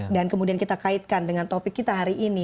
dan kemudian kita kaitkan dengan topik kita hari ini